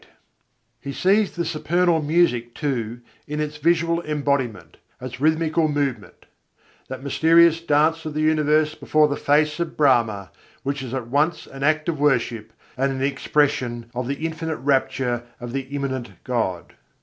] He sees the supernal music, too, in its visual embodiment, as rhythmical movement: that mysterious dance of the universe before the face of Brahma, which is at once an act of worship and an expression of the infinite rapture of the Immanent God.'